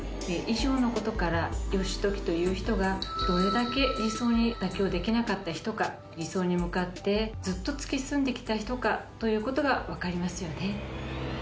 以上の事から義時という人がどれだけ理想に妥協できなかった人か理想に向かってずっと突き進んできた人かという事がわかりますよね。